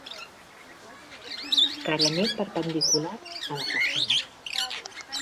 Carener perpendicular a la façana.